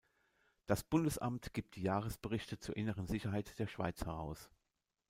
Das Bundesamt gibt die Jahresberichte zur inneren Sicherheit der Schweiz heraus.